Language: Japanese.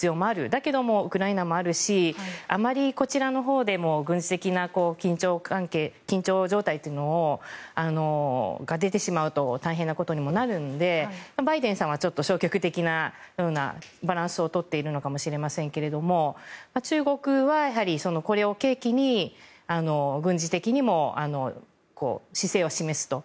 だけども、ウクライナもあるしあまりこちらのほうでも軍事的な緊張状態というのが出てしまうと大変なことにもなるのでバイデンさんは消極的なようなバランスを取っているのかもしれませんが中国はこれを契機に軍事的にも姿勢を示すと。